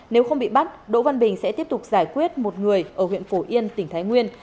nếu không bị bắt đỗ văn bình sẽ tiếp tục giải quyết một người ở huyện phổ yên tỉnh thái nguyên